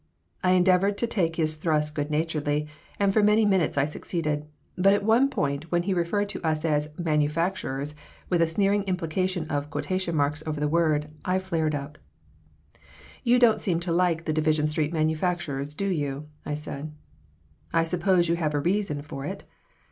I endeavored to take his thrusts good naturedly and for many minutes I succeeded, but at one point when he referred to us as "manufacturers," with a sneering implication of quotation marks over the word, I flared up "You don't seem to like the Division Street manufacturers, do you?" I said. "I suppose you have a reason for it."